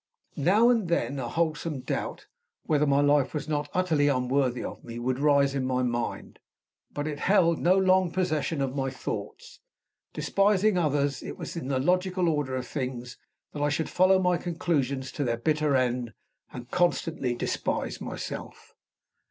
Now and then a wholesome doubt, whether my life was not utterly unworthy of me, would rise in my mind. But it held no long possession of my thoughts. Despising others, it was in the logical order of things that I should follow my conclusions to their bitter end, and consistently despise myself.